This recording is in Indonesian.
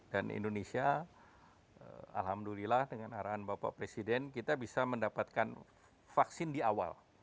dan indonesia alhamdulillah dengan arahan bapak presiden kita bisa mendapatkan vaksin di awal